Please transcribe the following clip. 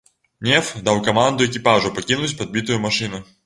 Неф даў каманду экіпажу пакінуць падбітую машыну.